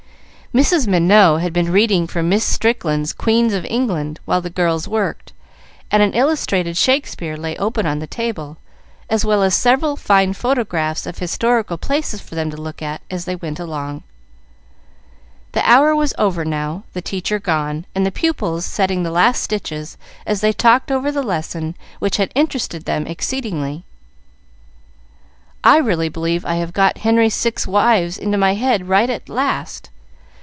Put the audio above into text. Mrs. Minot had been reading from Miss Strickland's "Queens of England" while the girls worked, and an illustrated Shakspeare lay open on the table, as well as several fine photographs of historical places for them to look at as they went along. The hour was over now, the teacher gone, and the pupils setting the last stitches as they talked over the lesson, which had interested them exceedingly. "I really believe I have got Henry's six wives into my head right at last.